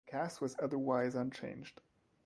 The cast was otherwise unchanged.